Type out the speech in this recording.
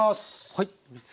はい。